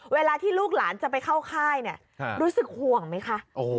เวลาที่ลูกหลานจะไปเข้าค่ายเนี่ยรู้สึกห่วงไหมคะ